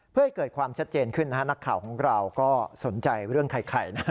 เพื่อให้เกิดความชัดเจนขึ้นนะฮะนักข่าวของเราก็สนใจเรื่องไข่นะ